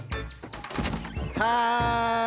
はい。